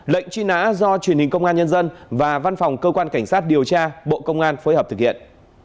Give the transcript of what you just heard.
lệnh truy nã do truyền hình công an nhân dân và văn phòng cơ quan cảnh sát điều tra bộ công an phối hợp thực hiện